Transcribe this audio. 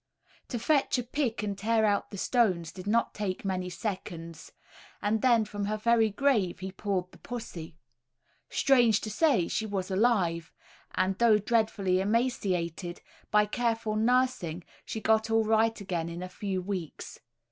To fetch a pick and tear out the stones did not take many seconds, and then from her very grave he pulled the pussy. Strange to say, she was alive; and though dreadfully emaciated, by careful nursing she got all right again in a few weeks.